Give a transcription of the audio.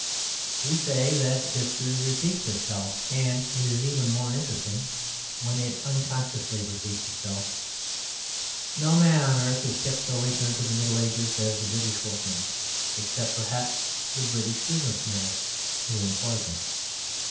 We say that history repeats itself, and it is even more interesting when it unconsciously repeats itself. No man on earth is kept so ignorant of the Middle Ages as the British workman, except perhaps the British business man who employs him.